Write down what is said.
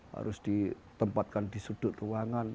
harus ditempatkan di sudut ruangan